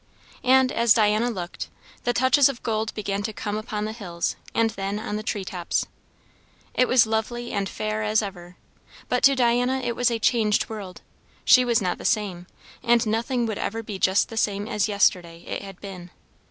And as Diana looked, the touches of gold began to come upon the hills and then on the tree tops. It was lovely and fair as ever; but to Diana it was a changed world. She was not the same, and nothing would ever be just the same as yesterday it had been.